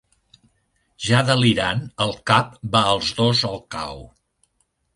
Ja delirant, el cap va als dos al cau.